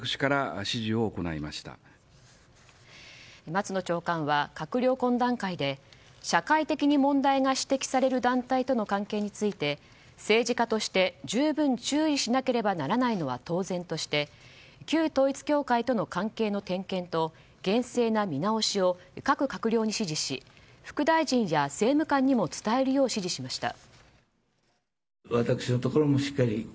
松野長官は閣僚懇談会で社会的に問題が指摘される団体との関係について政治家として十分注意しなければならないのは当然として旧統一教会との関係の点検と厳正な見直しを各閣僚に指示し副大臣や政務官にも伝えるよう指示しました。